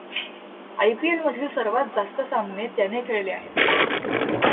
I. P. L मधील सर्वात जास्त सामने त्याने खेळले आहेत.